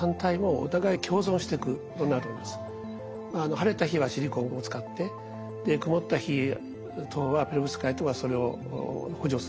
晴れた日はシリコンを使って曇った日等はペロブスカイトがそれを補助する。